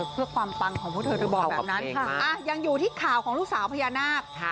เพื่อความปังของพวกเธอเธอบอกแบบนั้นยังอยู่ที่ข่าวของลูกสาวพญานาค